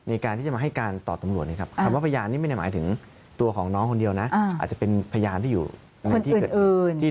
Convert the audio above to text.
อาจจะเป็นพยานที่อยู่ในที่